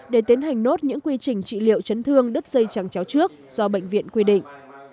để tiến hành nốt những quy trình trị liệu chấn thương đứt dây chẳng chéo trước do bệnh viện quy định